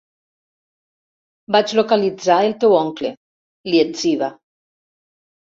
Vaig localitzar el teu oncle, li etziba.